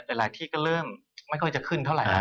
แต่หลายที่ก็เริ่มไม่ค่อยจะขึ้นเท่าไหร่